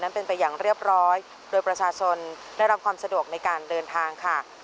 เป็นไปอย่างเรียบร้อยโดยประชาชนได้รับความสะดวกในการเดินทางค่ะ